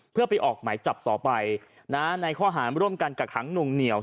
เพื่อไปออกหมายจับต่อไปนะในข้อหารร่วมกันกักขังหนุ่งเหนียว